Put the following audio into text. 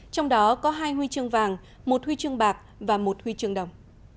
trong đó có hai huy chương vàng một huy chương bạc và một huy chương đồng